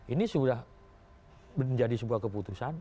ini sudah menjadi sebuah keputusan